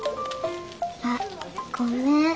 あっごめん。